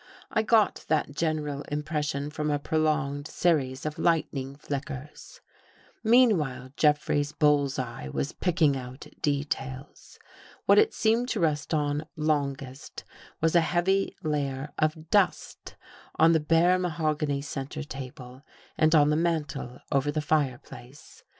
I got that gen eral impression from a prolonged series of lightning flickers. Meanwhile, Jeffrey's bull's eye was picking out details. What it seemed to rest on longest, was a heavy layer of dust on the bare mahogany center table and on the mantel over the fireplace.